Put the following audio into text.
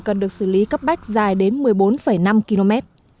cần được xử lý cấp bách dài đến một mươi bốn năm km